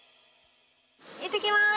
行ってきます！